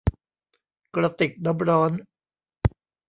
กระติกน้ำร้อน